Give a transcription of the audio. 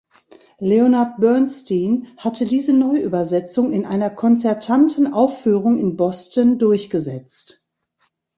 Leonard Bernstein hatte diese Neuübersetzung in einer konzertanten Aufführung in Boston durchgesetzt.